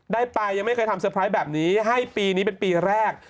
ได้ไปอยากจะทำเซอร์ไพรส์ให้เป็นปีแรก